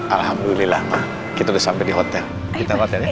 alhamdulillah ma kita udah sampai di hotel kita hotel ya